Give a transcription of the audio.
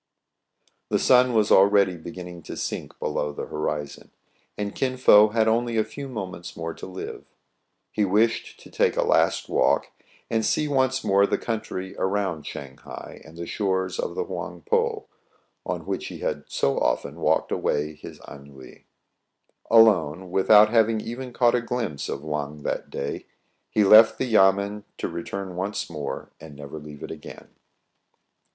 The sun was already beginning to sink below the horizon, and Kin Fo had only a few moments more to live. He wished to take a last walk, and see once more the country around Shang hai, and the shores of the Houang Pou, on which he Pf^AYS AND CUSTOMS OF THE CHINESE, 77 had so often walked away his eitnuL Alone, with out having even caught a glimpse of Wang that day, he left the yamen to return once more, and never leave it again.